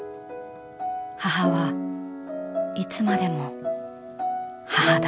母はいつまでも母だ」。